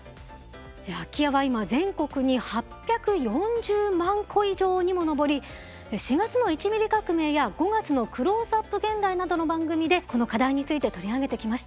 空き家は今全国に８４０万戸以上にも上り４月の「１ミリ革命」や５月の「クローズアップ現代」などの番組でこの課題について取り上げてきました。